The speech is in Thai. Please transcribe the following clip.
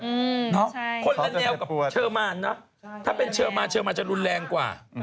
คนรันแนวกับเชิร์มันนะถ้าเป็นเชิร์มันเชิร์มันจะรุนแรงกว่า